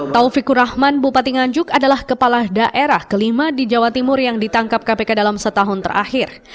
taufikur rahman bupati nganjuk adalah kepala daerah kelima di jawa timur yang ditangkap kpk dalam setahun terakhir